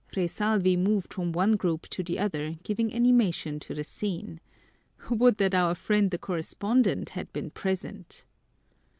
Fray Salvi moved from one group to the other, giving animation to the scene. Would that our friend the correspondent had been present!